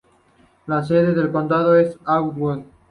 La sede del condado es Atwood.